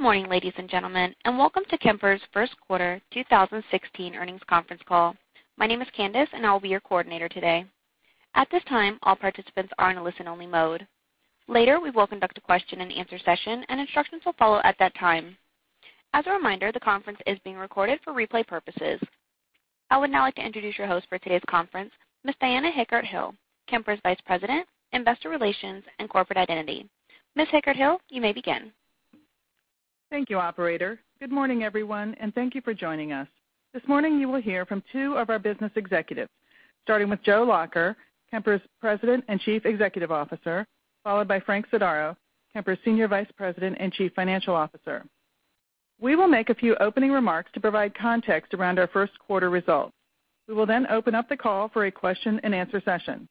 Good morning, ladies and gentlemen, welcome to Kemper's first quarter 2016 earnings conference call. My name is Candice, I will be your coordinator today. At this time, all participants are in a listen-only mode. Later, we will conduct a question and answer session, Instructions will follow at that time. As a reminder, the conference is being recorded for replay purposes. I would now like to introduce your host for today's conference, Ms. Diana Hickert-Hill, Kemper's Vice President, Investor Relations and Corporate Identity. Ms. Hickert-Hill, you may begin. Thank you, operator. Good morning, everyone, Thank you for joining us. This morning, you will hear from two of our business executives, starting with Joe Lacher, Kemper's President and Chief Executive Officer, followed by Frank Sodaro, Kemper's Senior Vice President and Chief Financial Officer. We will make a few opening remarks to provide context around our first quarter results. We will open up the call for a question and answer session.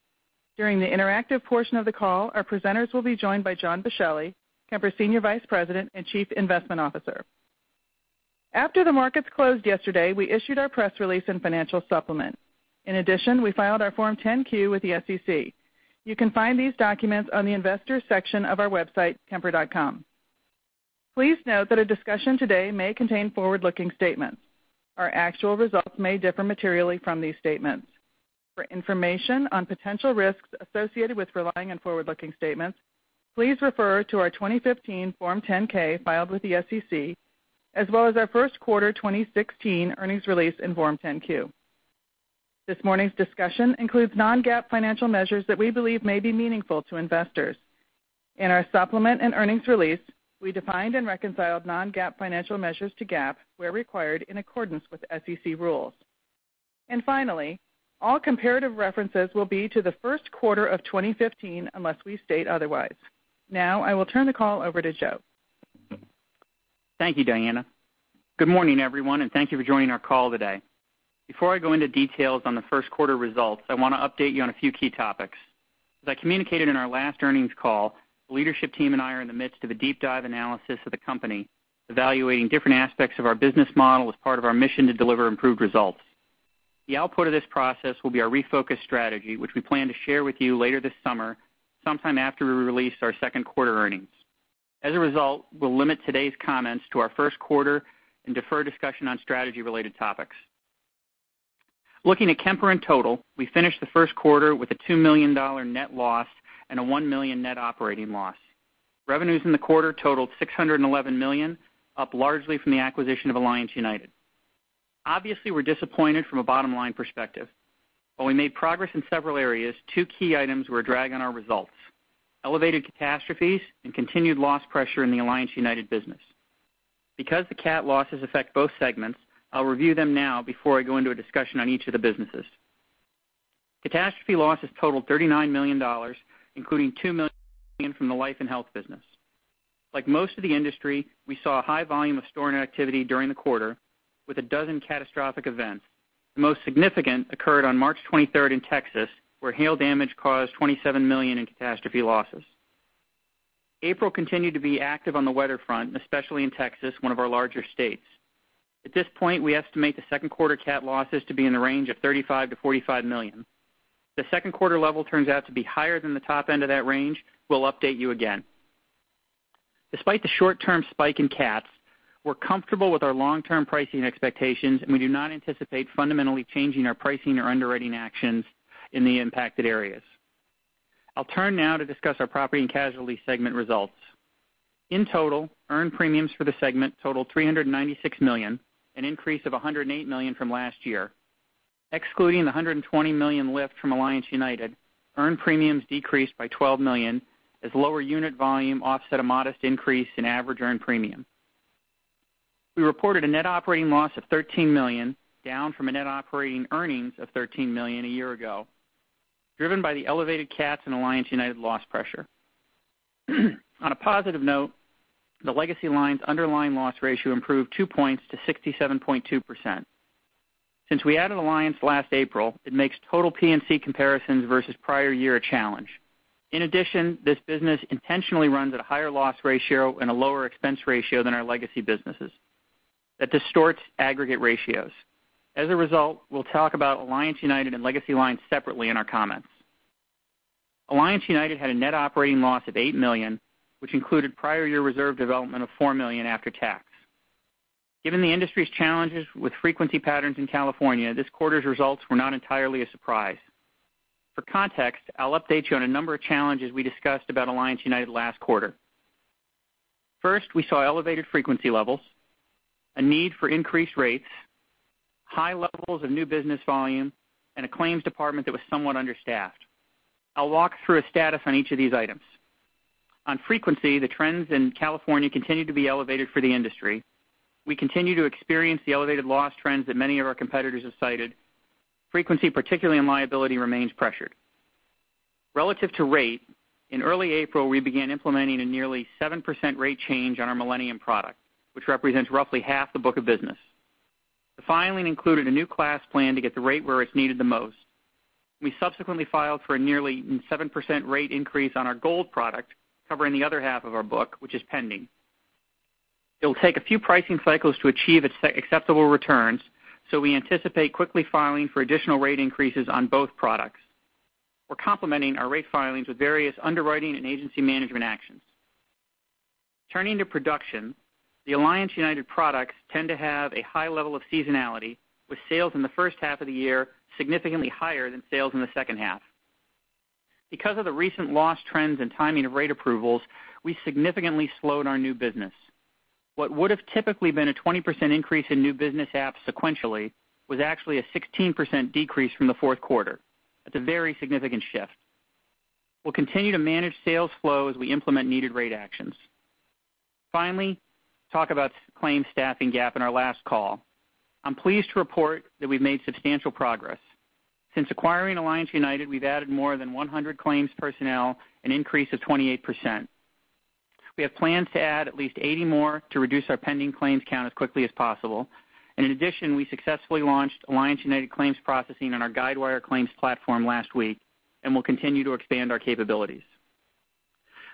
During the interactive portion of the call, our presenters will be joined by John Boschelli, Kemper's Senior Vice President and Chief Investment Officer. After the markets closed yesterday, we issued our press release and financial supplement. We filed our Form 10-Q with the SEC. You can find these documents on the investors section of our website, kemper.com. Please note that our discussion today may contain forward-looking statements. Our actual results may differ materially from these statements. For information on potential risks associated with relying on forward-looking statements, please refer to our 2015 Form 10-K filed with the SEC, as well as our first quarter 2016 earnings release and Form 10-Q. This morning's discussion includes non-GAAP financial measures that we believe may be meaningful to investors. In our supplement and earnings release, we defined and reconciled non-GAAP financial measures to GAAP where required in accordance with SEC rules. Finally, all comparative references will be to the first quarter of 2015 unless we state otherwise. Now, I will turn the call over to Joe. Thank you, Diana. Good morning, everyone, Thank you for joining our call today. Before I go into details on the first quarter results, I want to update you on a few key topics. As I communicated in our last earnings call, the leadership team and I are in the midst of a deep dive analysis of the company, evaluating different aspects of our business model as part of our mission to deliver improved results. The output of this process will be our refocused strategy, which we plan to share with you later this summer, sometime after we release our second quarter earnings. As a result, we'll limit today's comments to our first quarter and defer discussion on strategy-related topics. Looking at Kemper in total, we finished the first quarter with a $2 million net loss and a $1 million net operating loss. Revenues in the quarter totaled $611 million, up largely from the acquisition of Alliance United. Obviously, we're disappointed from a bottom-line perspective. While we made progress in several areas, two key items were a drag on our results: elevated catastrophes and continued loss pressure in the Alliance United business. Because the cat losses affect both segments, I'll review them now before I go into a discussion on each of the businesses. Catastrophe losses totaled $39 million, including $2 million from the life and health business. Like most of the industry, we saw a high volume of storm activity during the quarter with a dozen catastrophic events. The most significant occurred on March 23rd in Texas, where hail damage caused $27 million in catastrophe losses. April continued to be active on the weather front, especially in Texas, one of our larger states. At this point, we estimate the second quarter cat losses to be in the range of $35 million-$45 million. If the second quarter level turns out to be higher than the top end of that range, we'll update you again. Despite the short-term spike in cats, we're comfortable with our long-term pricing expectations. We do not anticipate fundamentally changing our pricing or underwriting actions in the impacted areas. I'll turn now to discuss our Property & Casualty segment results. In total, earned premiums for the segment totaled $396 million, an increase of $108 million from last year. Excluding the $120 million lift from Alliance United, earned premiums decreased by $12 million as lower unit volume offset a modest increase in average earned premium. We reported a net operating loss of $13 million, down from a net operating earnings of $13 million a year ago, driven by the elevated cats and Alliance United loss pressure. On a positive note, the legacy line's underlying loss ratio improved 2 points to 67.2%. Since we added Alliance last April, it makes total P&C comparisons versus prior year a challenge. In addition, this business intentionally runs at a higher loss ratio and a lower expense ratio than our legacy businesses. That distorts aggregate ratios. As a result, we'll talk about Alliance United and legacy lines separately in our comments. Alliance United had a net operating loss of $8 million, which included prior year reserve development of $4 million after tax. Given the industry's challenges with frequency patterns in California, this quarter's results were not entirely a surprise. For context, I'll update you on a number of challenges we discussed about Alliance United last quarter. First, we saw elevated frequency levels, a need for increased rates, high levels of new business volume, and a claims department that was somewhat understaffed. I'll walk through a status on each of these items. On frequency, the trends in California continue to be elevated for the industry. We continue to experience the elevated loss trends that many of our competitors have cited. Frequency, particularly in liability, remains pressured. Relative to rate, in early April, we began implementing a nearly 7% rate change on our Millennium product, which represents roughly half the book of business. The filing included a new class plan to get the rate where it's needed the most. We subsequently filed for a nearly 7% rate increase on our Gold product, covering the other half of our book, which is pending. It'll take a few pricing cycles to achieve acceptable returns, so we anticipate quickly filing for additional rate increases on both products. We're complementing our rate filings with various underwriting and agency management actions. Turning to production, the Alliance United products tend to have a high level of seasonality, with sales in the first half of the year significantly higher than sales in the second half. Because of the recent loss trends and timing of rate approvals, we significantly slowed our new business. What would've typically been a 20% increase in new business apps sequentially was actually a 16% decrease from the fourth quarter. That's a very significant shift. We'll continue to manage sales flow as we implement needed rate actions. Finally, talk about claims staffing gap in our last call. I'm pleased to report that we've made substantial progress. Since acquiring Alliance United, we've added more than 100 claims personnel, an increase of 28%. We have plans to add at least 80 more to reduce our pending claims count as quickly as possible. In addition, we successfully launched Alliance United claims processing on our Guidewire claims platform last week, and will continue to expand our capabilities.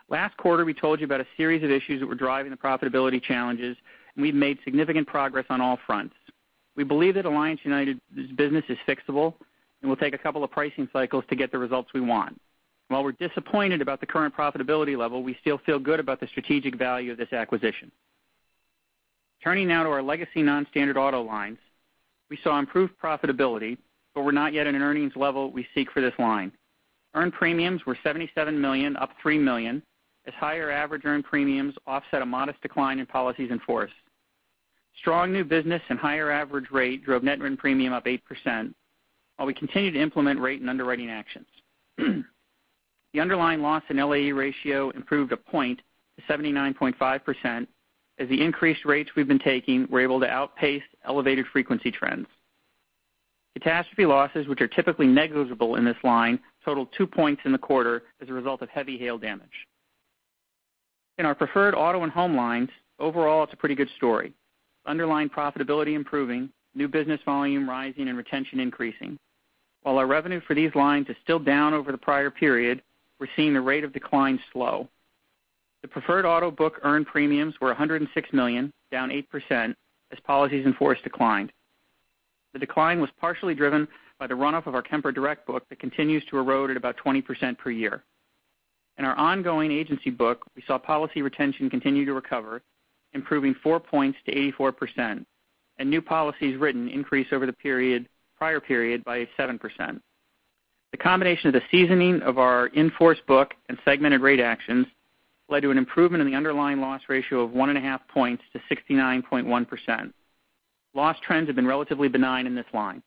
Last quarter, we told you about a series of issues that were driving the profitability challenges. We've made significant progress on all fronts. We believe that Alliance United's business is fixable. Will take a couple of pricing cycles to get the results we want. While we're disappointed about the current profitability level, we still feel good about the strategic value of this acquisition. Turning now to our legacy non-standard auto lines, we saw improved profitability. We're not yet at an earnings level we seek for this line. Earned premiums were $77 million, up $3 million, as higher average earned premiums offset a modest decline in policies in force. Strong new business and higher average rate drove net written premium up 8%, while we continue to implement rate and underwriting actions. The underlying loss and LAE ratio improved a point to 79.5% as the increased rates we've been taking were able to outpace elevated frequency trends. Catastrophe losses, which are typically negligible in this line, totaled two points in the quarter as a result of heavy hail damage. In our preferred auto and home lines, overall it's a pretty good story. Underlying profitability improving, new business volume rising, and retention increasing. While our revenue for these lines is still down over the prior period, we're seeing the rate of decline slow. The preferred auto book earned premiums were $106 million, down 8%, as policies in force declined. The decline was partially driven by the runoff of our Kemper Direct book that continues to erode at about 20% per year. In our ongoing agency book, we saw policy retention continue to recover, improving four points to 84%, and new policies written increase over the prior period by 7%. The combination of the seasoning of our in-force book and segmented rate actions led to an improvement in the underlying loss ratio of one and a half points to 69.1%. Loss trends have been relatively benign in this line.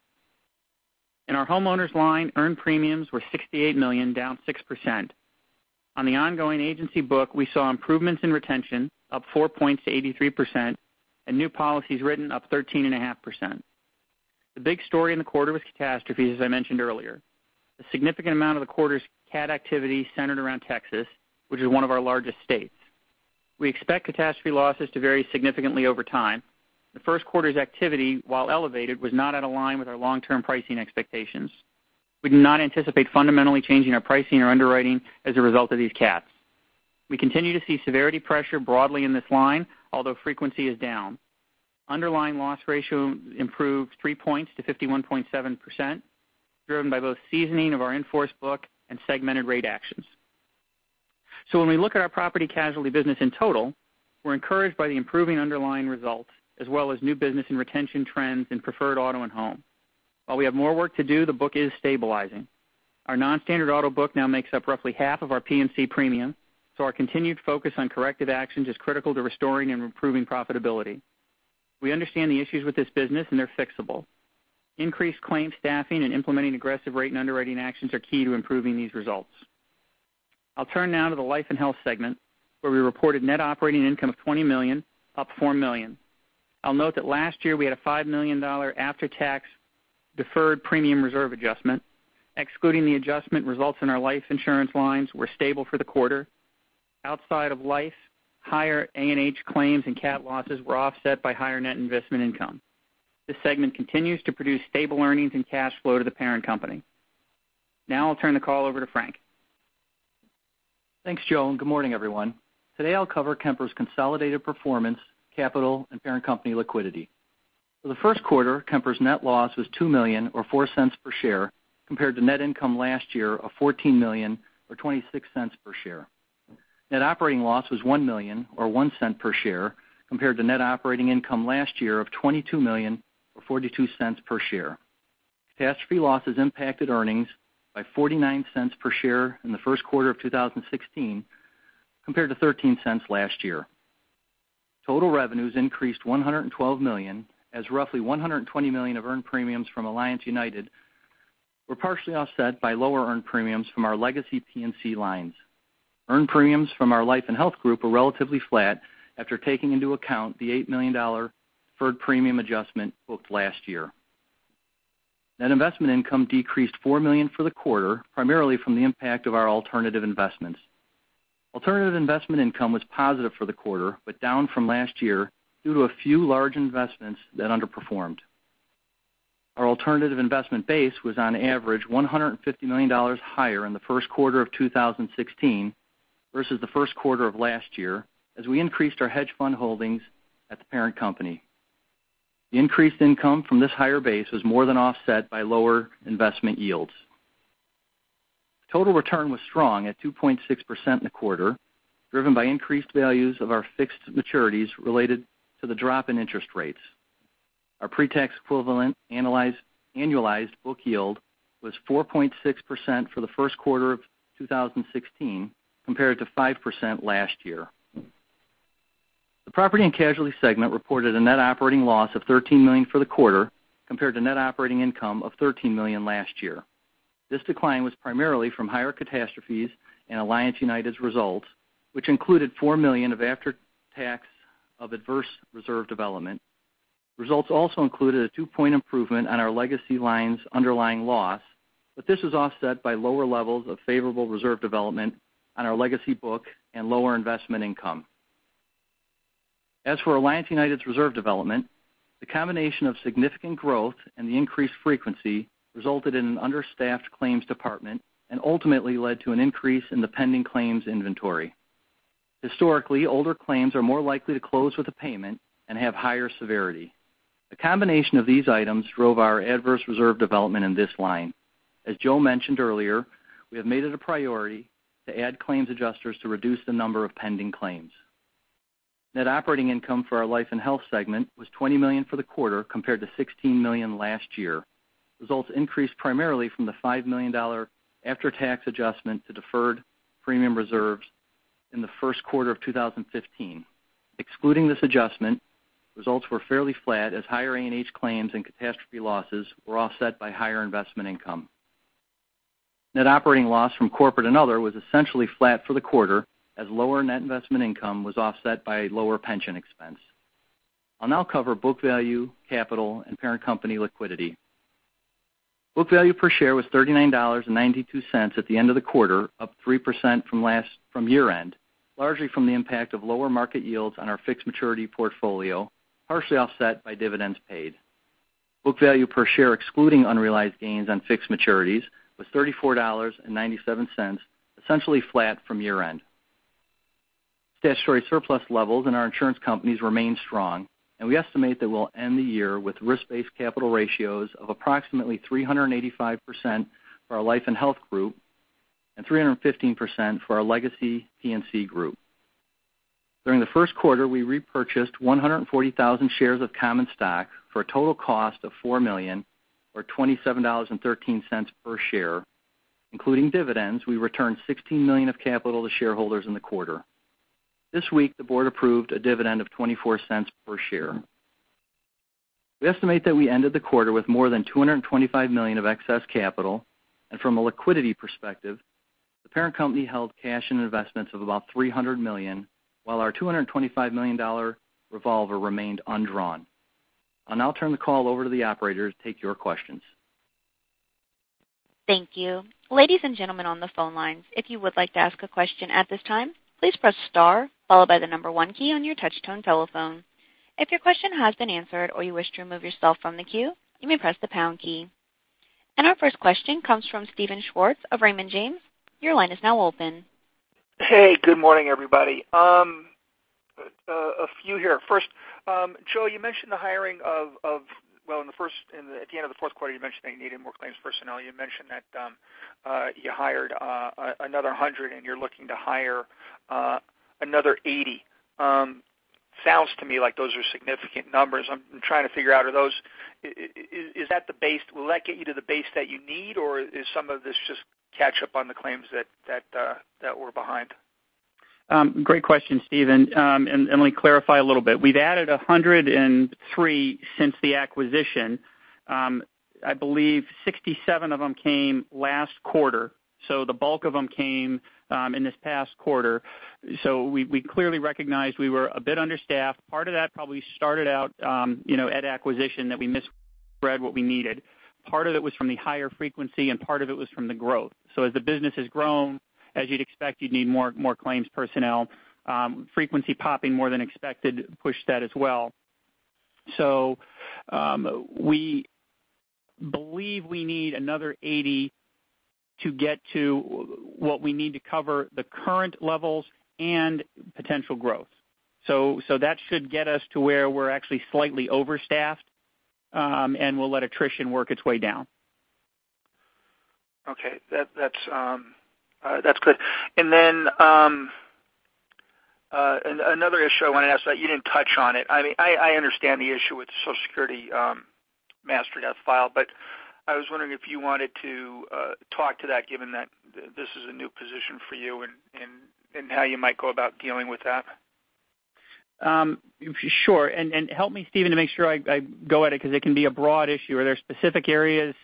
In our homeowners line, earned premiums were $68 million, down 6%. On the ongoing agency book, we saw improvements in retention, up four points to 83%, and new policies written up 13.5%. The big story in the quarter was catastrophes, as I mentioned earlier. A significant amount of the quarter's cat activity centered around Texas, which is one of our largest states. We expect catastrophe losses to vary significantly over time. The first quarter's activity, while elevated, was not out of line with our long-term pricing expectations. We do not anticipate fundamentally changing our pricing or underwriting as a result of these cats. We continue to see severity pressure broadly in this line, although frequency is down. Underlying loss ratio improved three points to 51.7%, driven by both seasoning of our in-force book and segmented rate actions. When we look at our Property & Casualty business in total, we're encouraged by the improving underlying results as well as new business and retention trends in preferred auto and home. While we have more work to do, the book is stabilizing. Our non-standard auto book now makes up roughly half of our P&C premium, so our continued focus on corrective actions is critical to restoring and improving profitability. We understand the issues with this business, and they're fixable. Increased claims staffing and implementing aggressive rate and underwriting actions are key to improving these results. I'll turn now to the life and health segment, where we reported net operating income of $20 million, up $4 million. I'll note that last year we had a $5 million after-tax deferred premium reserve adjustment. Excluding the adjustment, results in our life insurance lines were stable for the quarter. Outside of life, higher A&H claims and cat losses were offset by higher net investment income. This segment continues to produce stable earnings and cash flow to the parent company. I'll turn the call over to Frank. Thanks, Joe, and good morning, everyone. Today I'll cover Kemper's consolidated performance, capital, and parent company liquidity. For the first quarter, Kemper's net loss was $2 million or $0.04 per share compared to net income last year of $14 million or $0.26 per share. Net operating loss was $1 million or $0.01 per share compared to net operating income last year of $22 million or $0.42 per share. Catastrophe losses impacted earnings by $0.49 per share in the first quarter of 2016 compared to $0.13 last year. Total revenues increased $112 million as roughly $120 million of earned premiums from Alliance United were partially offset by lower earned premiums from our legacy P&C lines. Earned premiums from our life and health group were relatively flat after taking into account the $8 million deferred premium adjustment booked last year. Net investment income decreased $4 million for the quarter, primarily from the impact of our alternative investments. Alternative investment income was positive for the quarter, but down from last year due to a few large investments that underperformed. Our alternative investment base was on average $150 million higher in the first quarter of 2016 versus the first quarter of last year, as we increased our hedge fund holdings at the parent company. Increased income from this higher base was more than offset by lower investment yields. Total return was strong at 2.6% in the quarter, driven by increased values of our fixed maturities related to the drop in interest rates. Our pre-tax equivalent annualized book yield was 4.6% for the first quarter of 2016, compared to 5% last year. The Property & Casualty segment reported a net operating loss of $13 million for the quarter, compared to net operating income of $13 million last year. This decline was primarily from higher catastrophes and Alliance United's results, which included $4 million of after-tax of adverse reserve development. Results also included a two-point improvement on our legacy line's underlying loss, this was offset by lower levels of favorable reserve development on our legacy book and lower investment income. As for Alliance United's reserve development, the combination of significant growth and the increased frequency resulted in an understaffed claims department and ultimately led to an increase in the pending claims inventory. Historically, older claims are more likely to close with a payment and have higher severity. The combination of these items drove our adverse reserve development in this line. As Joe mentioned earlier, we have made it a priority to add claims adjusters to reduce the number of pending claims. Net operating income for our life and health segment was $20 million for the quarter compared to $16 million last year. Results increased primarily from the $5 million after-tax adjustment to deferred premium reserves in the first quarter of 2015. Excluding this adjustment, results were fairly flat as higher A&H claims and catastrophe losses were offset by higher investment income. Net operating loss from corporate and other was essentially flat for the quarter, as lower net investment income was offset by lower pension expense. I'll now cover book value, capital, and parent company liquidity. Book value per share was $39.92 at the end of the quarter, up 3% from year-end, largely from the impact of lower market yields on our fixed maturity portfolio, partially offset by dividends paid. Book value per share excluding unrealized gains on fixed maturities was $34.97, essentially flat from year-end. Statutory surplus levels in our insurance companies remain strong, and we estimate that we'll end the year with risk-based capital ratios of approximately 385% for our life and health group and 315% for our legacy P&C group. During the first quarter, we repurchased 140,000 shares of common stock for a total cost of $4 million, or $27.13 per share. Including dividends, we returned $16 million of capital to shareholders in the quarter. This week, the board approved a dividend of $0.24 per share. We estimate that we ended the quarter with more than $225 million of excess capital. From a liquidity perspective, the parent company held cash and investments of about $300 million, while our $225 million revolver remained undrawn. I'll now turn the call over to the operator to take your questions. Thank you. Ladies and gentlemen on the phone lines, if you would like to ask a question at this time, please press star followed by the number one key on your touch-tone telephone. If your question has been answered or you wish to remove yourself from the queue, you may press the pound key. Our first question comes from Steven Schwartz of Raymond James. Your line is now open. Hey, good morning, everybody. A few here. First, Joe, at the end of the fourth quarter, you mentioned that you needed more claims personnel. You mentioned that you hired another 100 and you're looking to hire another 80. Sounds to me like those are significant numbers. I'm trying to figure out, will that get you to the base that you need, or is some of this just catch up on the claims that were behind? Great question, Steven. Let me clarify a little bit. We've added 103 since the acquisition. I believe 67 of them came last quarter, the bulk of them came in this past quarter. We clearly recognized we were a bit understaffed. Part of that probably started out at acquisition that we misread what we needed. Part of it was from the higher frequency, and part of it was from the growth. As the business has grown, as you'd expect, you'd need more claims personnel. Frequency popping more than expected pushed that as well. We believe we need another 80 to get to what we need to cover the current levels and potential growth. That should get us to where we're actually slightly overstaffed, and we'll let attrition work its way down. Okay. That's good. Another issue I wanted to ask that you didn't touch on it, I understand the issue with the Social Security Death Master File, I was wondering if you wanted to talk to that given that this is a new position for you and how you might go about dealing with that. Sure. Help me, Steven, to make sure I go at it because it can be a broad issue. Are there specific areas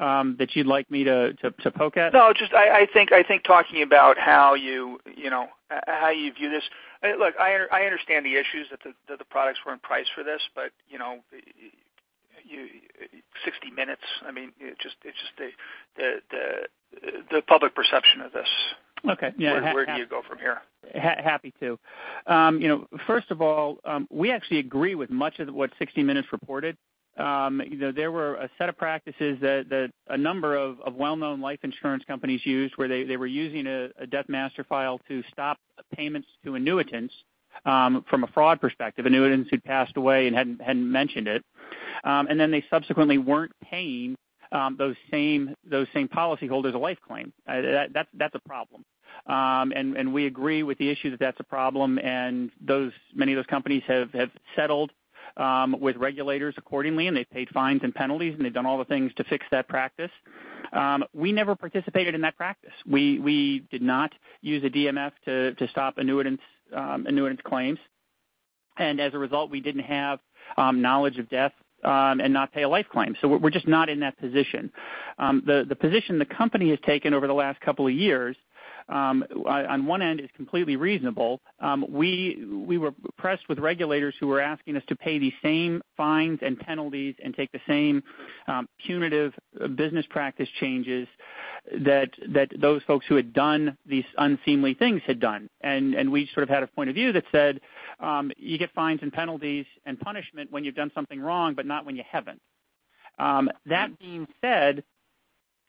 that you'd like me to poke at? No, just I think talking about how you view this. Look, I understand the issues that the products weren't priced for this, 60 Minutes, it's just the public perception of this. Okay. Yeah. Where do you go from here? Happy to. First of all, we actually agree with much of what 60 Minutes reported There were a set of practices that a number of well-known life insurance companies used, where they were using a Death Master File to stop payments to annuitants from a fraud perspective, annuitants who'd passed away and hadn't mentioned it. They subsequently weren't paying those same policyholders a life claim. That's a problem. We agree with the issue that that's a problem, many of those companies have settled with regulators accordingly, they've paid fines and penalties, and they've done all the things to fix that practice. We never participated in that practice. We did not use a DMF to stop annuitant's claims. As a result, we didn't have knowledge of death and not pay a life claim. We're just not in that position. The position the company has taken over the last couple of years, on one end, is completely reasonable. We were pressed with regulators who were asking us to pay these same fines and penalties and take the same punitive business practice changes that those folks who had done these unseemly things had done. We sort of had a point of view that said, you get fines and penalties and punishment when you've done something wrong, but not when you haven't. That being said,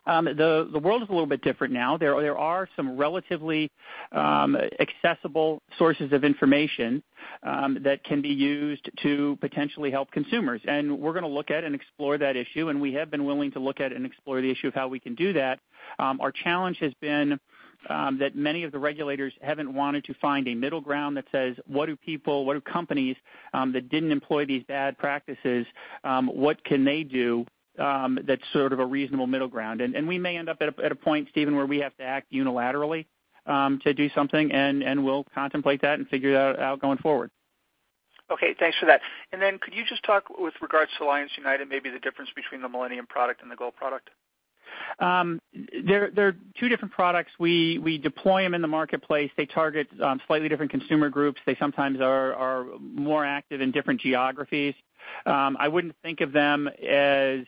the world is a little bit different now. There are some relatively accessible sources of information that can be used to potentially help consumers, we're going to look at and explore that issue, we have been willing to look at and explore the issue of how we can do that. Our challenge has been that many of the regulators haven't wanted to find a middle ground that says, what do people, what do companies that didn't employ these bad practices, what can they do that's sort of a reasonable middle ground? We may end up at a point, Steven, where we have to act unilaterally to do something, and we'll contemplate that and figure that out going forward. Okay, thanks for that. Could you just talk with regards to Alliance United, maybe the difference between the Millennium product and the Gold product? They're two different products. We deploy them in the marketplace. They target slightly different consumer groups. They sometimes are more active in different geographies. I wouldn't think of them as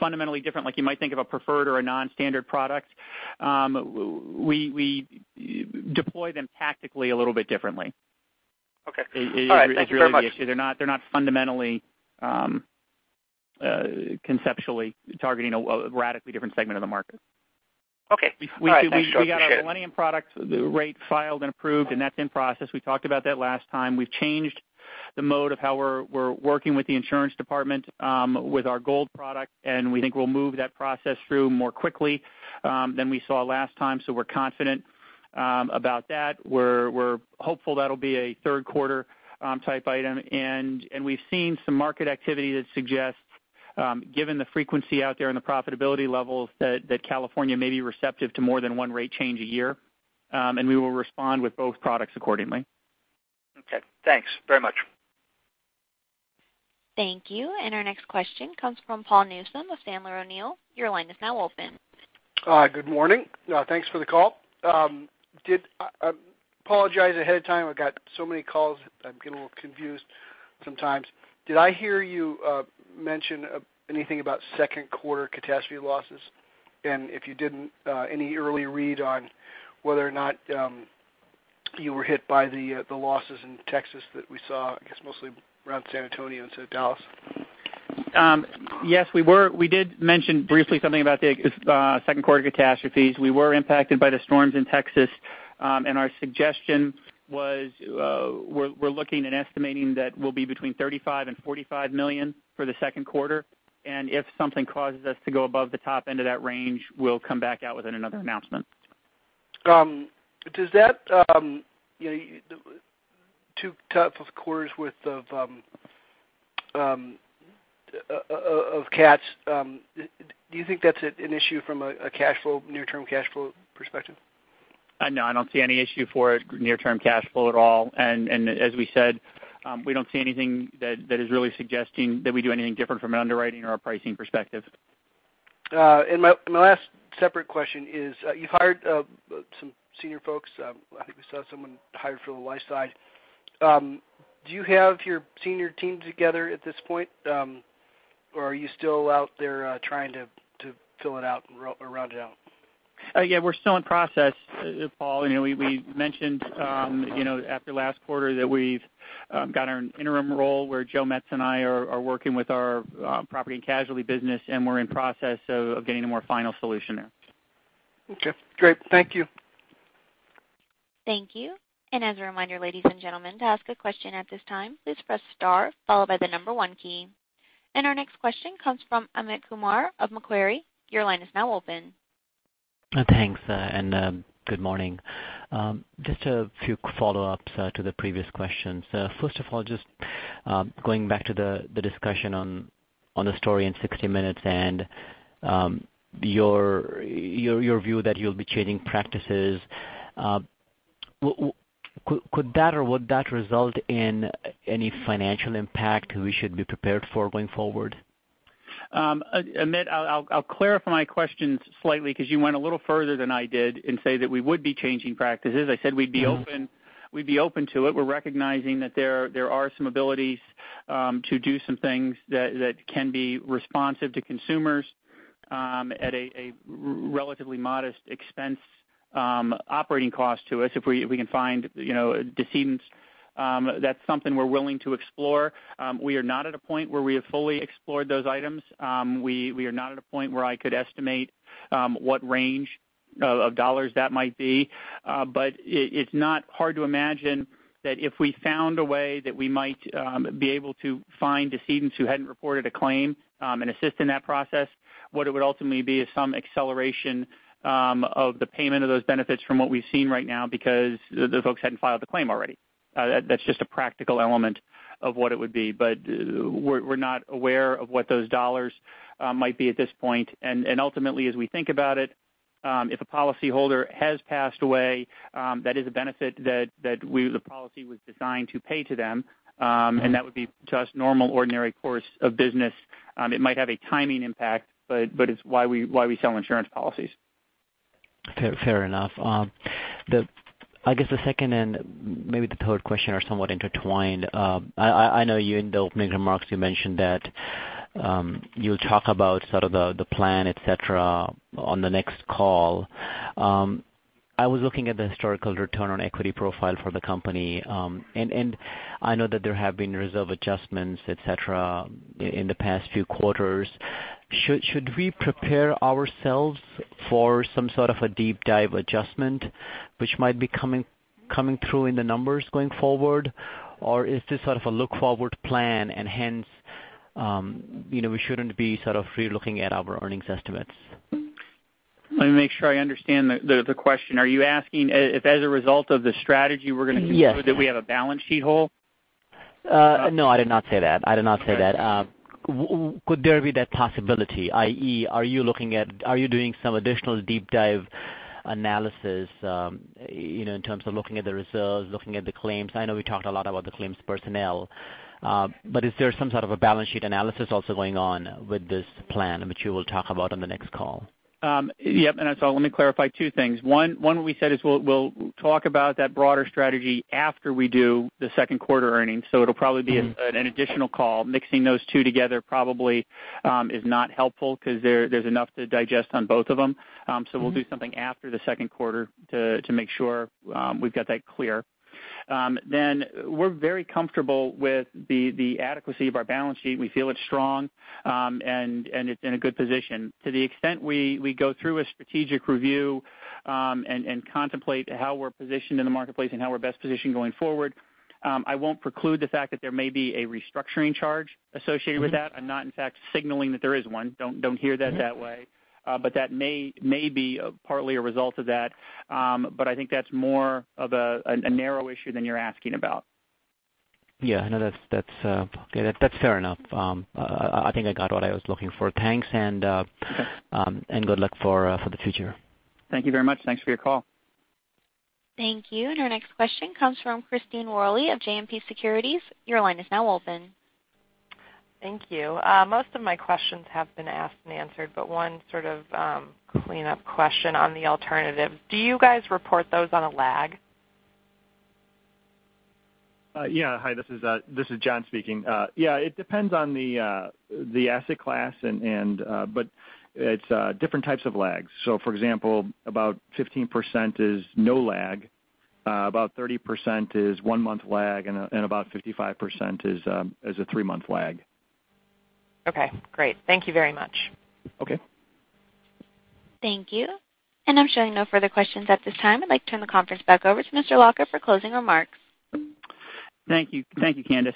fundamentally different, like you might think of a preferred or a non-standard product. We deploy them tactically a little bit differently. Okay. All right. Thank you very much. They're not fundamentally conceptually targeting a radically different segment of the market. Okay. All right. Thanks, Joe. Appreciate it. We got our Millennium product rate filed and approved. That's in process. We talked about that last time. We've changed the mode of how we're working with the insurance department with our Gold product. We think we'll move that process through more quickly than we saw last time. We're confident about that. We're hopeful that'll be a third quarter type item. We've seen some market activity that suggests, given the frequency out there and the profitability levels, that California may be receptive to more than one rate change a year. We will respond with both products accordingly. Okay, thanks very much. Thank you. Our next question comes from Paul Newsome of Sandler O'Neill. Your line is now open. Good morning. Thanks for the call. I apologize ahead of time. I've got so many calls, I'm getting a little confused sometimes. Did I hear you mention anything about second quarter catastrophe losses? If you didn't, any early read on whether or not you were hit by the losses in Texas that we saw, I guess, mostly around San Antonio instead of Dallas? Yes, we did mention briefly something about the second quarter catastrophes. We were impacted by the storms in Texas. Our suggestion was we're looking and estimating that we'll be between $35 million and $45 million for the second quarter. If something causes us to go above the top end of that range, we'll come back out with another announcement. Two tough quarters worth of cats. Do you think that's an issue from a near-term cash flow perspective? No, I don't see any issue for near-term cash flow at all. As we said, we don't see anything that is really suggesting that we do anything different from an underwriting or a pricing perspective. My last separate question is, you've hired some senior folks. I think we saw someone hired for the life side. Do you have your senior team together at this point? Or are you still out there trying to fill it out or round it out? Yeah, we're still in process, Paul. We mentioned after last quarter that we've got our interim role where Joe Metz and I are working with our Property and Casualty business, and we're in process of getting a more final solution there. Okay, great. Thank you. Thank you. As a reminder, ladies and gentlemen, to ask a question at this time, please press star followed by the number one key. Our next question comes from Amit Kumar of Macquarie. Your line is now open. Thanks, good morning. Just a few follow-ups to the previous questions. First of all, just going back to the discussion on the story in "60 Minutes" and your view that you'll be changing practices. Could that or would that result in any financial impact we should be prepared for going forward? Amit, I'll clarify my questions slightly because you went a little further than I did in say that we would be changing practices. I said we'd be open to it. We're recognizing that there are some abilities to do some things that can be responsive to consumers at a relatively modest expense operating cost to us, if we can find decedents, that's something we're willing to explore. We are not at a point where we have fully explored those items. We are not at a point where I could estimate what range of dollars that might be. It's not hard to imagine that if we found a way that we might be able to find decedents who hadn't reported a claim, and assist in that process, what it would ultimately be is some acceleration of the payment of those benefits from what we've seen right now, because those folks hadn't filed the claim already. That's just a practical element of what it would be. We're not aware of what those dollars might be at this point. Ultimately, as we think about it, if a policyholder has passed away, that is a benefit that the policy was designed to pay to them. That would be just normal, ordinary course of business. It might have a timing impact, but it's why we sell insurance policies. Fair enough. I guess the second and maybe the third question are somewhat intertwined. I know you in the opening remarks mentioned that you'll talk about the plan, et cetera, on the next call. I was looking at the historical return on equity profile for the company. I know that there have been reserve adjustments, et cetera, in the past few quarters. Should we prepare ourselves for some sort of a deep dive adjustment, which might be coming through in the numbers going forward? Is this sort of a look-forward plan, and hence, we shouldn't be re-looking at our earnings estimates? Let me make sure I understand the question. Are you asking if as a result of the strategy we're going to conclude that we have a balance sheet hole? No, I did not say that. Okay. Could there be that possibility, i.e., are you doing some additional deep dive analysis in terms of looking at the reserves, looking at the claims? I know we talked a lot about the claims personnel. Is there some sort of a balance sheet analysis also going on with this plan, which you will talk about on the next call? Yep, let me clarify two things. One, we said is we'll talk about that broader strategy after we do the second quarter earnings. It'll probably be an additional call. Mixing those two together probably is not helpful because there's enough to digest on both of them. We'll do something after the second quarter to make sure we've got that clear. We're very comfortable with the adequacy of our balance sheet. We feel it's strong, and it's in a good position. To the extent we go through a strategic review, and contemplate how we're positioned in the marketplace and how we're best positioned going forward, I won't preclude the fact that there may be a restructuring charge associated with that. I'm not, in fact, signaling that there is one. Don't hear that that way. That may be partly a result of that. I think that's more of a narrow issue than you're asking about. Yeah. No, that's okay. That's fair enough. I think I got what I was looking for. Thanks, and good luck for the future. Thank you very much. Thanks for your call. Thank you. Our next question comes from Christine Greany of JMP Securities. Your line is now open. Thank you. Most of my questions have been asked and answered, but one sort of cleanup question on the alternative. Do you guys report those on a lag? Hi, this is John speaking. It depends on the asset class, but it's different types of lags. For example, about 15% is no lag, about 30% is one-month lag, and about 55% is a three-month lag. Okay, great. Thank you very much. Okay. Thank you. I'm showing no further questions at this time. I'd like to turn the conference back over to Mr. Lacher for closing remarks. Thank you. Thank you, Candice.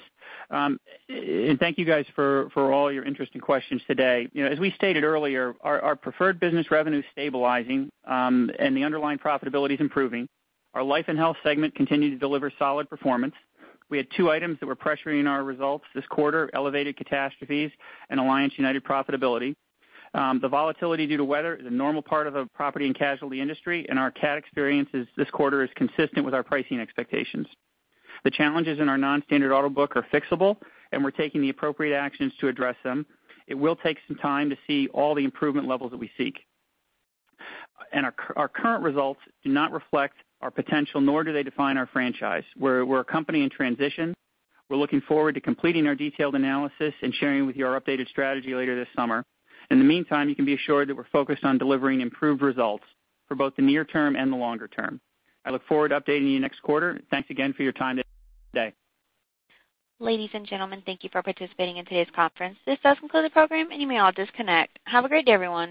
Thank you guys for all your interesting questions today. As we stated earlier, our preferred business revenue is stabilizing, and the underlying profitability's improving. Our Life and Health segment continue to deliver solid performance. We had two items that were pressuring our results this quarter, elevated catastrophes and Alliance United profitability. The volatility due to weather is a normal part of the Property & Casualty industry, and our cat experiences this quarter is consistent with our pricing expectations. The challenges in our non-standard auto book are fixable, and we're taking the appropriate actions to address them. It will take some time to see all the improvement levels that we seek. Our current results do not reflect our potential, nor do they define our franchise. We're a company in transition. We're looking forward to completing our detailed analysis and sharing with you our updated strategy later this summer. In the meantime, you can be assured that we're focused on delivering improved results for both the near term and the longer term. I look forward to updating you next quarter. Thanks again for your time today. Ladies and gentlemen, thank you for participating in today's conference. This does conclude the program, and you may all disconnect. Have a great day, everyone.